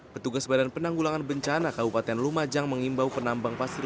petugas badan penanggulangan bencana kabupaten lumajang mengimbau penambang pasir